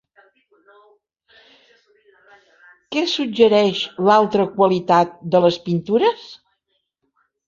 Què suggereix l'alta qualitat de les pintures?